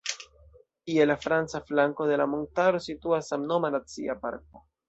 Je la franca flanko de la montaro situas samnoma Nacia Parko.